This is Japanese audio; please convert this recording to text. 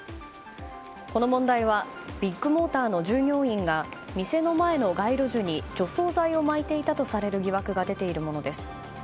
この問題はビッグモーターの従業員が店の前の街路樹に除草剤をまいていたとされる疑惑が出ているものです。